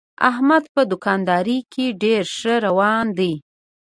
احمد په دوکاندارۍ کې ډېر ښه روان دی.